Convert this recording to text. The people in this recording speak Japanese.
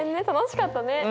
楽しかったね。